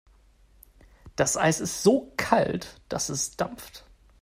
Das Eis ist so kalt, dass es dampft.